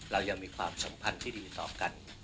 เรายังมีความสัมพันธ์ที่ดีต่อกัน